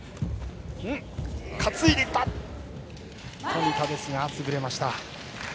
担いでいった富田ですが潰れました。